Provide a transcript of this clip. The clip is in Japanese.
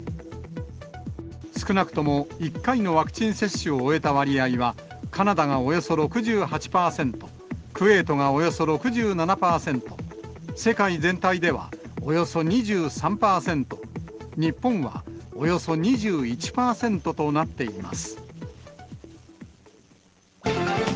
少なくとも１回のワクチン接種を終えた割合は、カナダがおよそ６８％、クウェートがおよそ６７％、世界全体ではおよそ２３％、日本はおよそ２１％となっています。